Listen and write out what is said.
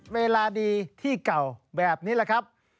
เวลาดีที่เก่าแบบนี้แหละครับ